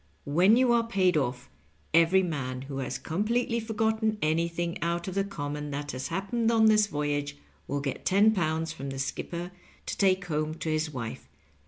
When you are paid off, every man who has completely forgotten anything out of the common that has happened on this voyage will get £10 from the skipper to take home to his wife.